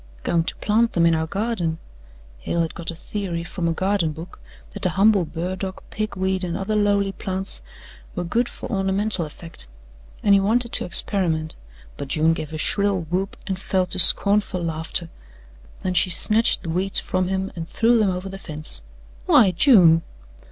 "Going to plant 'em in our garden." Hale had got a theory from a garden book that the humble burdock, pig weed and other lowly plants were good for ornamental effect, and he wanted to experiment, but June gave a shrill whoop and fell to scornful laughter. Then she snatched the weeds from him and threw them over the fence. "Why, June!"